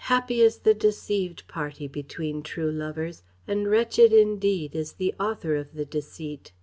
happy is the deceived party between true lovers, and wretched indeed is the author of the deceit!